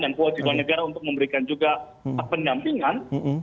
dan kewajiban negara untuk memberikan juga penampingan